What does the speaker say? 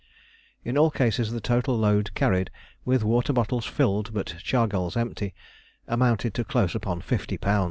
In all cases the total load carried, with water bottles filled but chargals empty, amounted to close upon 50 lb.